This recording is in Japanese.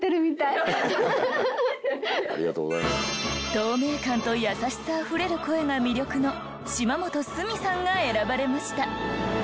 透明感と優しさあふれる声が魅力の島本須美さんが選ばれました。